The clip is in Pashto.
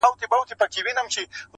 دا ستا دسرو سترگو خمار وچاته څه وركوي,